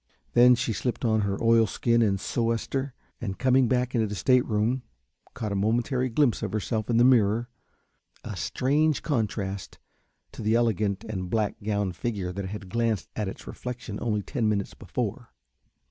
Then she slipped on her oilskin and sou'wester and coming back into the state room caught a momentary glimpse of herself in the mirror, a strange contrast to the elegant and black gowned figure that had glanced at its reflection only ten minutes before.